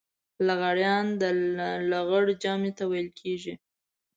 لغړيان د لغړ جمع ته ويل کېږي.